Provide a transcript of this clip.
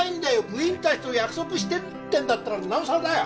部員たちと約束してるっていうんだったらなおさらだよ！